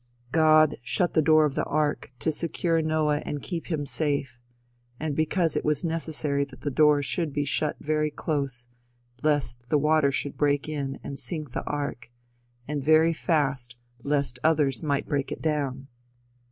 "God shut the door of the ark to secure Noah and to keep him safe, and because it was necessary that the door should be shut very close lest the water should break in and sink the ark, and very fast lest others might break it down.